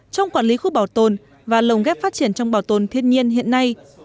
trong quản lý khu bảo tồn và lồng ghép phát triển trong bảo tồn thiên nhiên hiện nay